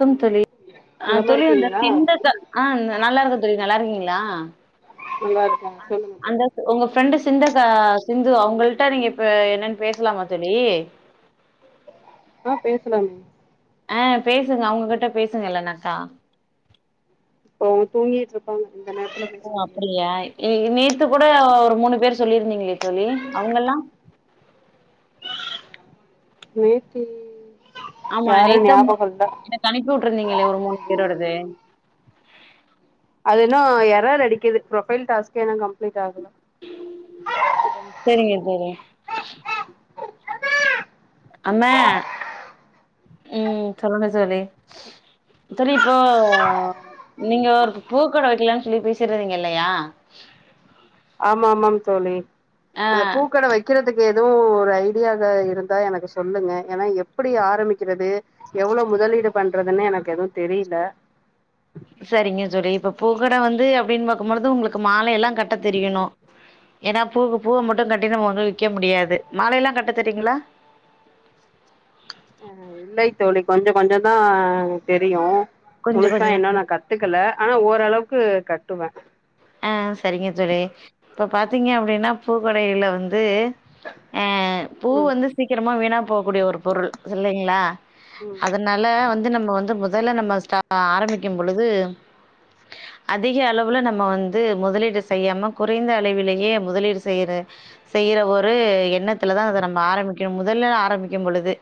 Come தோழி ஆ நலமா தோழி அந்த இருக்கீங்களா கிண்டர்ஜா ஆ நல்லா இருக்க தோழி நல்லா இருக்கீங்க ளா நல்லா இருக்க அந்த ஒங்க ஃபிரெண்டு சிந்தக்கா சிந்து அவங்கள்ட்ட நீங்க இப்ப என்னான்னு பேசலாமா தோழி ஆ பேசலாம ஆ பேசுங்க அவங்ககிட்ட பேசுங்க இல்லனாக்கா ப்போ அவங்க தூங்கிட்டுருப்பாங்க ஓ அப்டியா ஏ ஏ நேத் து கூட ஒரு மூணு பேர் சொல்லியிருந்தீங்களே தோழி அவங்கல்லா [unintelligible] ஆமா யாரு நேத்தா மூ ஞாபகம் இல்ல எனக்கு அனுப்பி வுட்ருந்தீங்ளே ஒரு மூணு பேரோடது அது இன்னு எரர் அடிக்கிது ப்ரொபைல் டாஸ்க் எல்லா கம்ப் செரிங்க செரிங்க அம்மா உம் சொல்லுங்க தோழி தோழி இப்போ நீங்க ஒரு பூ பூக்கட வைக்கலான் சொல்லி பேசிட்டிருந்தீங்க இல்லயா ஆமாமாம் தோழி அந்த ஆ பூக்கட வைக்கிறதுக் கு எதுவு ஒரு ஐடியா எதா இருந்தா எனக்கு சொல்லுங்க ஏனா எப்டி ஆரம்பிக்கறது? எவ்வளவு முதலீடு பண்றதுன்னே எனக்கு எதுவு தெரியில சரிங்க தோழி இப்ப பூக்கட வந்து அப்டினு பாக்கம்பொழுது ஒங்ளுக்கு மாலை எல்லா கட்டத் தெரியணு ஏன்னா பூக்கு பூவ மட்டு கட்டி நம்ம வந்து விக்க முடியாது மாலைல்லா கட்ட தெரியுங்களா? அ இல்லை தோழி கொஞ்சொ கொஞ்சொந்தா தெரியு கொஞ்ச கொஞ்ச முழுசா இன்னு தாங்க நா கத்துக்கல ஆனா ஓரளவுக்கு கட்டுவ ஆ சரிங்க தோழி இப்ப பாத்தீங்க அப்டின்னா பூக்கடைய்ல வந்து அ பூ ம் வந்து சீக்கரமா வீணா போகக்கூடிய ஒரு பொருள் இல்லைங்ளா ம் அதனால வந் து நம்ம வந்து மொதல்ல நம்ம ஸ்டா ஆரம்பிக்கும் பொழுது அதிக அளவுல நம்ம வந் து முதலீடு செய்யாம குறைந்த அளவிலேயே முதலீடு செய்ற செய்ற ஒரு எண்ணத்துல தா அத நம்ம ஆரம்பிக்கணு முதல்ல ஆரம்பிக்கும்பொழுது.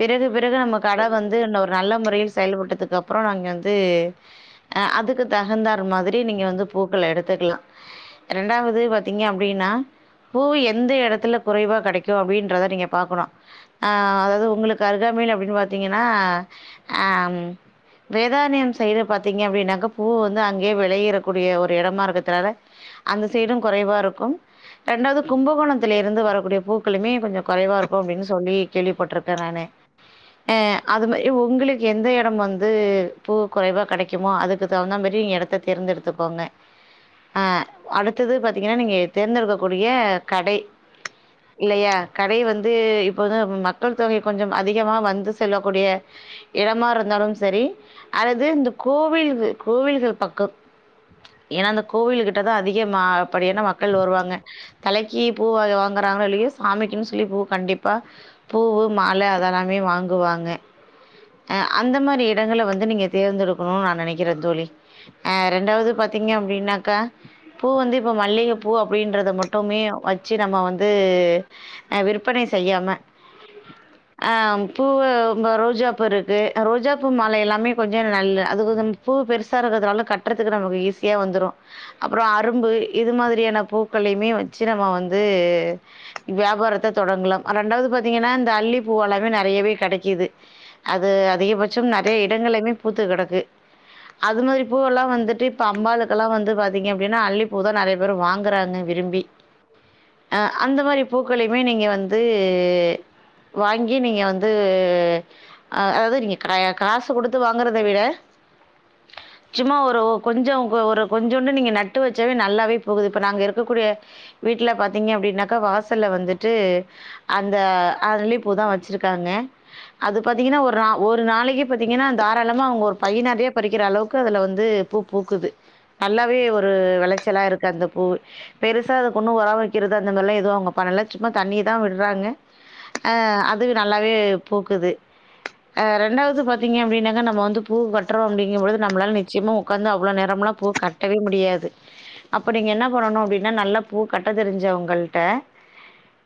பிறகு வு தா நம்ம கட சரி வந்து தோழி ஒரு நல்ல முறையில் ச் செயல்பட்டதுக்கு அப்றொ நாங்க வந்து அதுக்கு தகுந்தாற் மாதிரி நீங்க வந்து பூ க்கள எடுத்துக்கலா. ரெண்டாவது பாத்தீங்க அப்டின்னா பூ எந்த எடத்தில குறைவா கெடைக்கு அப்டின்றத நீங்க பாக்கணு. ஆஹ் அதாவது ஒங்களுக்கு அருகாமைல அப்டினு பாத்தீங்கன்னா அஹ் வேதாரண்யம் சைட் பாத்தீங்க அப்டின்னாக்க பூ வந்து அங்கே வெளையறக்கூடிய ஒரு எடெம்மா இருக்கத்துனால அந்த சைடும் கொறைவா இருக்கு. ரெண்டாவது கும்பகோணத்தில இருந்து வரக்கூடிய பூக்களுமே கொஞ்சொ கொறைவா இருக்கு அப்டின் சொல்லி கேள்விப்பட்ருக்கே நானு. அஹ் அது மாரி ஒங்ளுக்கு எந்த எடம் வந்து பூ குறைவா கெடைக்குமோ அதுக்கு தகுந்தா மாரி நீங்க எடெத்த தேர்ந்தெடுத்துக்கோங்க. ஆஹ் அடுத்தது பாத்தீங்கன்ன நீங்க தேர்ந்தெடுக்கக்கூடிய கடை இல்லையா? கடை வந்து இப்போ வந்து மக்கள் தொகை கொஞ்சம் அதிகமா வந்து செல்லக்கூடிய இடமா இருந்தாலும் சரி அல்லது இந்த கோவில்து கோவில்கள் பக்கொ ஏன்னா அந்த கோவில்கிட்ட தா அதிகமாப்படியான மக்கள் வருவாங்க. தலைக்கு பூ வாங் வாங்குறாங்ளோ, இல்லையோ சாமிக்கின்னி சொல்லி பூ கண்டிப்பா பூவு, மாலெ அதெல்லாமே வாங்குவாங்க. அஹ் அந்த மாரி இடங்கள்ல வந்து நீங்க தேர்ந்தெடுக்கணுனு நா நெனக்றே தோழி. அஹ் ரெண்டாவது பாத் தீங்க அப்டின்னாக்க பூ வந்து இப்ப மல்லிகை பூ அப்டின்றது மட்டுமே வச்சி நம்ம வந்து அஹ் விற்பனை செய்யாம ஆஹ் பூவு உங்க ரோஜாப்பூ இருக்கு. ரோஜாப்பூ மாலை எல்லாமே கொஞ்சொ நல்ல அதுக்குக பூ பெருசா இருக்குறதுனால கட்டுறதுக்கு நமக்கு ஈசி யா வந்துரு அப்றொ அரும்பு இது மாதிரியான பூக்களையுமே வச்சி நம்ம வந்து வியாபாரத்த தொடங்கலா. ரெண்டாவது பாத்தீங்கன்னா இந்த அள்ளி பூ அல்லாமே நெறைய்யவே கெடக்கிது. அது அதிகபட்சம் நெறைய இடங்கள்லயுமே பூத்து கடக்கு. அது மாதிரி பூ அல்லா வந்துட்டு ப்ப அம்பாலுக்கெல்லா வந்து பாத்தீங்க அப்டின்னா அள்ளிப்பூ தா நெறைய பேர் வாங்குறாங்க விரும்பி. அஹ் அந்த மாரி பூக்களையுமே நீங்க வந்து வாங்கி நீங்க வந்துஹ் அதாவது நீங்க கே காசு கொடுத்து வாங்கறத விட சும்மா ஒரு ஒ கொஞ்சொ ஒ ஒரு கொஞ்சுண்டு நீங்க நட்டு வச்சாவே நல்லாவே பூக்குது. இப்ப நாங்க இருக்கக்கூடிய வீட்ல பாத்தீங்க அப்டின்னாக்க வாசல்ல வந்துட்டு அந்த அரளி பூதா வச்சிருக்காங்க. அது பாத்தீங்ன்னா ஒரு நா ஒரு நாளைக்கி பாத்தீங்கன்னா தாராளமா அவங்க ஒரு பை நெறைய பறிக்கிற அளவுக்கு அதுல வந்து பூ பூக்குது நல்லாவே ஒரு வெளைச்சலா இருக்கு அந்த பூவு. பெருசா அதுக்கு ஒண்ணு ஒர வக்கிறது அந்த மாரிலா எதுவு அவங்க பண்ணல. சும்மா தண்ணி தா விட்றாங்க. ஆஹ் அது நல்லாவே பூக்குது. அ ரெண்டாவது பாத்தீங்க அப்டினாக்க நம்ம வந்து பூ கட்றோ அப்டிங்கம்பொழுது நம்மளால நிச்சயமா ஒ ஒக்காந்து அவ்ளோ நேரமெல்லா பூ கட்டவே முடியாது. அப்ப நீங்க என்ன பண்ணனு அப்டின்னா நல்லா பூ கட்ட தெரிஞ்சவங்கள்ட்ட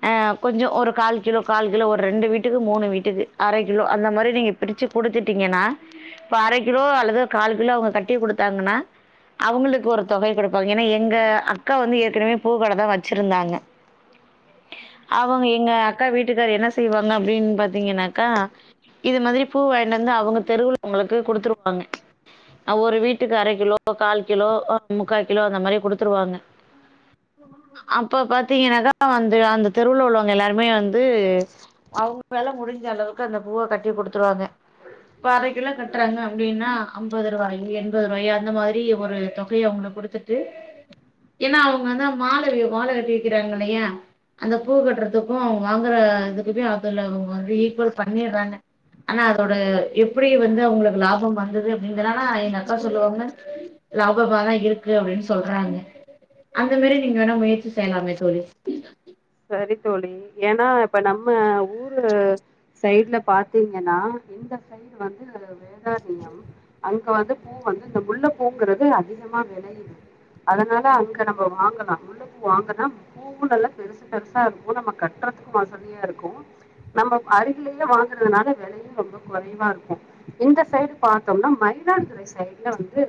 ஆஹ் கொஞ்சொ ஒரு கால் கிலோ கால் கிலோ ஒரு ரெண்டு வீட்டுக்கு, மூணு வீட்டுக்கு அர கிலோ அந்த மாரி நீங்க பிரிச்சி குடுத்துட்டீங்கன்னா இப்ப அர கிலோ அல்லது கால் கிலோ அவங்க கட்டி குடுத் தாங்ன்னா அவங்ளுக்கு ஒரு தொகை குடுப்பாங்க. ஏன்னா எங்க அக்கா வந்து ஏற்கெனவே பூக்கட தா வச்சிருந்தாங்க. அவங்க எங்க அக்கா வீட்டுக்காரர் என்ன செய்வாங்க அப்டின் பாத்தீங்ன்னாக்கா இது மாதிரி பூ வாங்கிண்டு வந்து அவங்க தெருவுல உள்ளவங்களுக்கு குடுத்துருவாங்க. அ ஒரு வீட் டுக்கு அர கிலோ, கால் கிலோ, முக்கா கிலோ அந்த மாரி குடுத்துருவாங்க. அப்ப பாத்தீங்ன்னாக்கா வந்து அந்த தெருவுல உள்ளவங்க எல்லாருமே வந்து அவங்க வேல முடிஞ்ச அளவுக்கு அந்த பூவ கட்டி குடுத்துருவாங்க. இப்ப அர கிலோ கட்றாங்க அப்டின்னா அம்பது ரூபாயி என் பது ருபாயு அந்த மாரி ஒரு தொகைய அவங்களுக்கு குடுத்துட்டு ஏன்னா அவங்க வந்து மால வி மால கட்டி விக்கிராங்களைய அந்த பூ கட்டுறதுக்கு அவங்க வாங்குற இதுக்குமே அதுல இவங்க வந்து ஈக்குவல் பண்ணிடுறாங்க ஆனா அதோட எப்டி வந்து அவங்களுக்கு லாபொ வந்தது அப்டிங்கனால அக்கா சொல்லுவாங்க லாபமாதா இருக்கு அப்டின்னு சொல்றாங்க அந்த மாரி நீங்க வேணா முயற்சி செய்யலாமே தோழி செரி தோழி ஏன்னா இப்ப நம்ம ஊரு சைடுல பாத்தீங்கன்னா இந்த சைடு வந்து வேதாரியம் அஞ் இப்போ வந்து பூ வந்து இந்த முல்லுப் பூங்குறது அதிகமா வெலையுது அதனால அங்க நம்ம வாங்கலா முல்லுப்பூ வாங்கனா பூவு நல்லா பெருச் பெருசா இருக்கு நம்ம கட்டுறதுக்கு வசதியா இருக்கு நம்ப அருகிலேயே வாங்குறதுனால விலையு ரொம்ப குறைவா இருக்கு இந்த சைடு பார்த்தோம்னா மயிலாடுதுறை சைடுல வந்து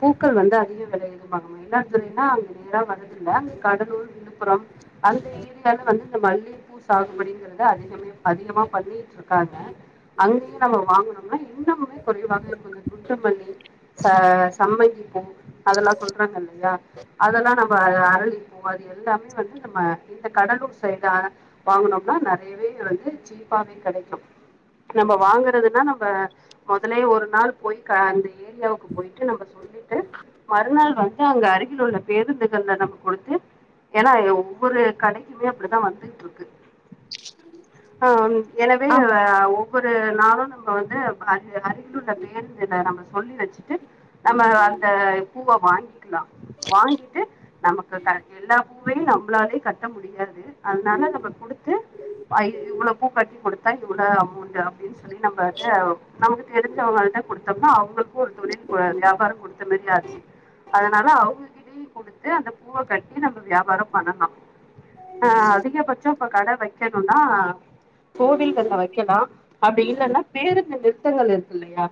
பூக்கள் வந்து அதிக விலை எது அங்க மயிலாடுதுறைனா அங்க நேரா வர து எல்லாமே கடலூர் வில்லுப் புறம் சாகுபடிங்கிறது அதிகமே அதிகமா பண்ணிட்டு இருக்காங்க அங்கேயும் நம்ம வாங்கனோம்னா இன்னமுமே குறைவாக இருக்கு இந்த குண்டு மல்லி ச சம்மங்கி பூ ஆ அரளி பூவாறு எல்லாமே வந்து நம்ம இந்த கடலூர் சைடுல வாங்கனோம்னா நெறையவே வந்து சீப்பாவே கெடைக்கு நம்ம வாங்கறதுன்னா நம் ம மெதலேயே ஒரு நாள் போய் க அந்த ஏரியாவுக்கு போயிட்டு நம்ம ச் சொல்லிட்டு மறுநாள் வந் து அங்க அருகில் உள்ள பேருந்துகள்ல நம்ம கொடுத்து ஏன்னா எ உ ஒரு கடைக்குமே அப்டிதா வந்துட்ருக்கு ஆஹ் எனவே ஆமா ஓ ஒரு நாளு நம்ம வந்து அரு அருகில் உள்ள பேருந்துல நம்ம சொல்லி வச்சுட்டு நம்ம அந்த பூவ வாங்கி கில வாங்கிட்டு நமக்கு கரெக் எல்லா பூவே நம் புனாலே கட்ட முடியா து அதனால நம்ம கொடுத்து ஆ இவ்வளவு பூ கட்டி கொடுத் தா இவளோ அமௌண்ட அப்டின்னு ச் சொல்லி நம்ம அத நமக்கு தெரிஞ்ச வங்கல்ட்ட கொடு மா அவங்களுக்கு ஒரு தொழில் வியாபாரம் குடுத்த மாதிரி ஆச்சு அதனால அவங்ககிட்டயே குடுத்து அந்த பூவை கட்டி நம்ம வியாபாரம் பண்ணனும் ஆஹ் அதிக பட்சம் இப்ப கடை வைக்கணுனா கோவில்கள்ல வைக்கலாம் அப்படி இல்லனா பேருந்து நிறத்த திட்டங்கள் இருக்கு இல்லையா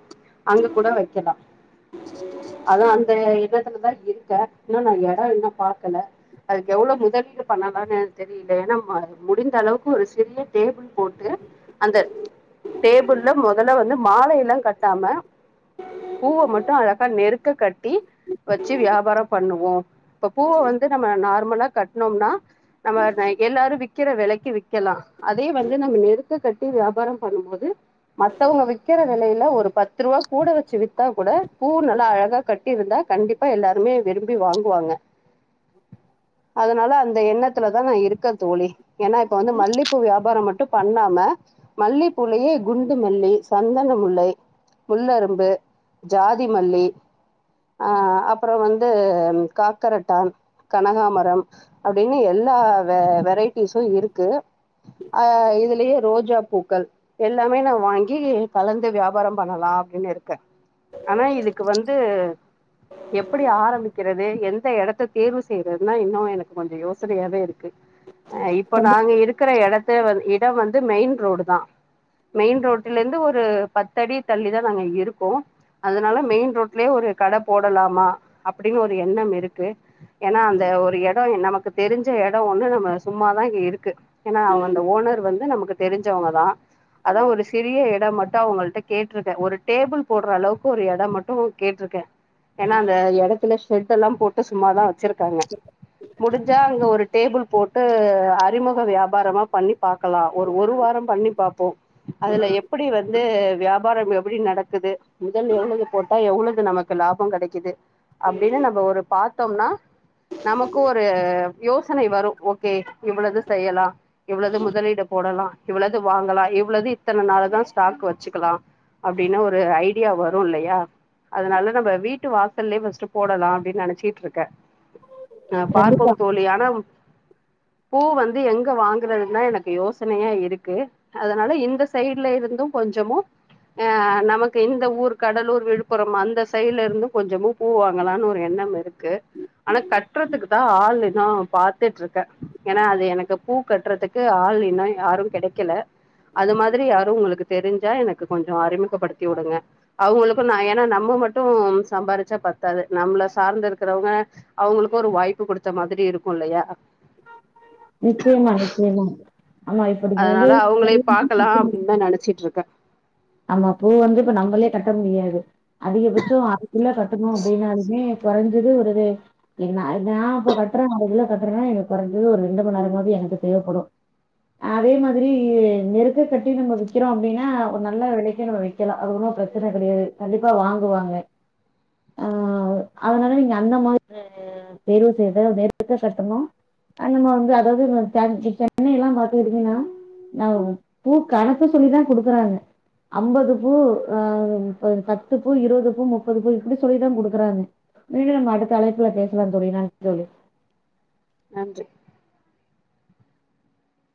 அங்க கூட வைக்கலாம் அதான் அந்த இதத்துலதான் இருக்கேன் இன்னா நான் இடம் இன்னும் பாக்கல அது எவ்வளோ முதலீடு பண்ணலானு தெரியல ஏன்னா முடிந்த அளவுக்கு ஒரு சிறிய டேபிள் போட்டு அந்த டேபிள்ள முதல்ல வந்து மாலையெல்லா கட்டாம பூவ மட்டும் அழகா நெருக்க க்ககட்டி வச்சு வியாபாரம் பண்ணுவோ இப்ப பூவ வந்து நம்ம நார் நம்மலாம் கட்னோம்னா நம்ம எ எல்லாரும் விக் விக்கற விலைக்கு விக்கலாம் அதே வந்து நம்ப நெருக் க்கு கட்டி வியாபாரம் பண்ணும்போது மத்தவங்க விக்கிற நிலையில ஒரு பத்து ரூபா கூட வச்சு வித்தா கூட பூ நல்லா அழகா கட்டி இருந்தா கண்டிப்பா எல்லாருமே விரும்பி வாங்குவாங்க அதனால அந்த எண்ணத்துலதான் நான் இருக்க தோழி ஏன்னா இப்ப வந்து மல்லி பூ வியாபாரம் மட்டும் பண்ணாம மல்லிப்பூளயே குண்டு மல்லி சந்தன முல்லை முள்ளரும்பு ஜாதி மல்லி அஹ் அப்புறம் வந்து காக்கரட்டான் கனகாமர ரம் அப்படின்னு எல்லா வெரைட்டிஸும் இருக்கு அஹ் இதுலயே ரோஜா பூக்கள் எல்லாமே நா வாங்கி கலந்து வியாபாரம் பண்ணலாம் அப்படின்னு இருக்கே ஆனா இதுக்கு வந்து எப்படி ஆரம்பிக்கிறது து எந்த இடத்த தேர்வு செய்யறது னா இன்னோ எனக்கு கொஞ்சம் யோசனையாவே இருக்கு அஹ் இப்போ நாங்க இருக்கிற எடத் இட வந்து மெயின் ரோடு தான் மெயின் ரோட்டுல இருந்து ஒரு பத்தடி தள்ளி தான் நாங்க இருக்கோம் அதனால மெயின் ரோட்லயே ஒரு கடை போடலாமா அப்படின்னு ஒரு எண்ணம் இருக்கு ஏனா இந்த ஒரு எடம் நமக்கு தெரிஞ்ச எடம் ஒண்ணு நம்ம சும்மாதான் இங்க இருக்கு ஏன்னா அவங்க அந்த ஓனர் வந்து நமக்கு தெரிஞ்சவங்கதான் அதான் ஒரு சிறிய இடம் மட்டும் அவங்கள்ட்ட கேட்டிருக்கேன் ஒரு டேபிள் போடுற அளவுக்கு ஒரு எடம் மட்டும் கேட்டிருக்கேன் ஏன்னா அந்த எடத்துல ஷெட்டெல்லாம் போட்டு சும்மா தான் வச்சிருக்காங்க முடிஞ்சா அங்க ஒரு டேபிள் போட்டு அறிமுக வியாபாரமா பண்ணி பாக்கலாம் ஒரு ஒரு வாரம் பண்ணி பாப்போம் அதுல எப்படி வந்து வியாபாரம் எப்படி நடக்குது முதல் எவ்வளவு போட்டா எவ்வளது நமக்கு லாபம் கிடைக்குது அப்படின்னு நம்ம ஒரு பாத்தோம்னா நமக்கு ஒரு யோசனை வரும் ஓகே இவ்வளது செய்யலா இவ்வளது முதலீடு போடலா இவ்வளது வாங்கலா இவ்வளது இத்தனை நாள் தான் ஸ்டாக் வச்சுக்கலாம் அப்படின்னு ஒரு ஐடியா வரும் இல்லையா அதனால நம்ம வீட்டு வாசல்லயே ஃபர்ஸ்ட் போடலாம் அப்படின்னு நினைச்சிட்டு இருக்கேன் அஹ் கண்டிப்பா பார்ப்போம் தோழி ஆனா பூ வந்து எங்க வாங் குறதுனா எனக்கு யோசனையா இருக்கு அதனால எங்க சைட்ல இருந்து கொஞ்சமு ஆஹ் நமக்கு இந்த ஊரு கடலூர் விழுப்புரம் அந்த சைட்ல இருந்து கொஞ்சமு பூ வாங்களானு ஒரு எண்ணம் இருக்கு ஆனா கட் கட்றத்துக்கு தா ஆளுதா பாத்துட்ருக்கே ஏனா அது எனக்கு பூ கட்றத்துக்கு ஆளு இன்ன யாரு கெடைக்கல அது மாதிரி யாரு உங்களுக்கு தெரிஞ்சா எனக்கு கொஞ்ச அறிமுகப்படுத்திவுடுங்க அவ்ங்களுக்கு நா ஏனா நம்ம மட்டும் சம்பாரிச்சா பத்தாது நம்ள சார்ந்து இருக்கிறவ்ங்க அவ்ங்களுக் ஒரு வாய்ப்பு குடுத்த மாதிரி இருக்கு இல்லயா நிச்சயமா நிச்சயமா ஆமா இப்ப நீங்க அதனால வந்து அவ்ங்களே பாக்கலா அப்டின் தா நெனச்சிட்ருக் க ஆமா பூ வந்து இப்ப நம்பளே கட்ட முடியாது அதிகபட்ச அதுக்குள்ள கட்டணு அப்டின்னாலுமே பெறஞ்சது ஒரு இது எ நா நா இப்ப கட்றே ஒரு கிலோ கட்றனா எனக்கு கொறஞ்சது ஒரு ரெண்டு மண் நேரமாவ்து எனக்கு தேவப்படு அதே மாதிரி நெருக்க கட்டி நம்ம விக்கிறோ அப்டினா நல்ல விலைக்கே நம்ம விக்கெலா அது ஒன்னு பிரச்சன கெடையாது கண்டிப்பா வாங்குவாங்க ஆஹ் அதனால நீங்க அந்த மா ஆஹ் தேர்வு செய்து நெருங்க கட்டணு நம்ம வந்து அதாவ்து இந்த டைம் சென்னைலா பாத்துக்கிட்டீங்கனா நவ் பூ கணக்கு சொல்லிதா குடுக்குறாங்க அம்பது பூ ஆஹ் ப பத்து பூ இருவது பூ முப்பது பூ இப்டி சொல்லிதா குடுக்குறாங்க மீண்டும் அடுத்த அழைப்புல பேசலா தோழி நன்றி தோழி நன்றி